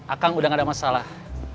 akang udah gak ada masalah